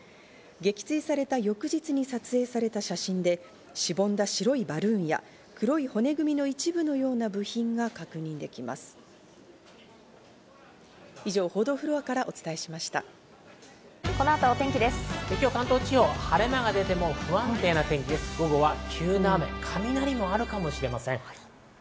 撃墜された翌日に撮影された写真で、しぼんだ白いバルーンや黒い骨組みの一部のような部品が確認できます。